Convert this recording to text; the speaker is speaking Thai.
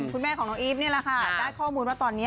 คุณแม่ของน้องอีฟนี่แหละค่ะได้ข้อมูลว่าตอนนี้